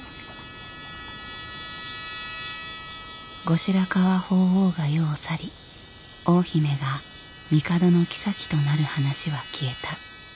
後白河法皇が世を去り大姫が帝の后となる話は消えた。